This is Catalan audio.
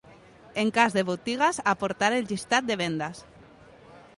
En cas de botigues, aportar el llistat de vendes.